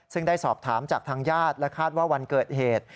ซึ่งได้สอบถามจากทางญาติและคาดว่าวันเกิดเหตุ